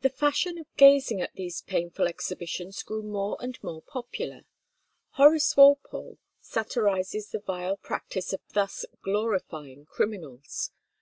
The fashion of gazing at these painful exhibitions grew more and more popular. Horace Walpole satirizes the vile practice of thus glorifying criminals.